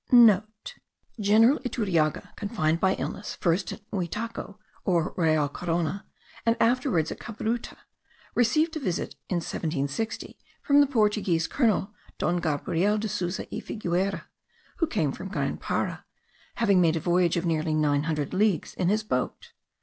(* General Iturriaga, confined by illness, first at Muitaco, or Real Corona, and afterward at Cabruta, received a visit in 1760 from the Portuguese colonel Don Gabriel de Souza y Figueira, who came from Grand Para, having made a voyage of nearly nine hundred leagues in his boat.